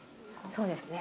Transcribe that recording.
そうですね。